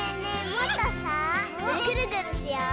もっとさぐるぐるしよう。